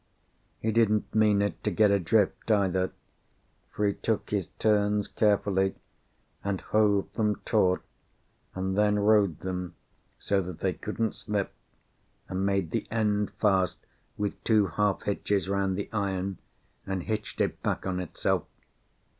He didn't mean it to get adrift either, for he took his turns carefully, and hove them taut and then rode them, so that they couldn't slip, and made the end fast with two half hitches round the iron, and hitched it back on itself.